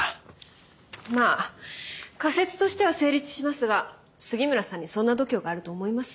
まあ仮説としては成立しますが杉村さんにそんな度胸があると思います？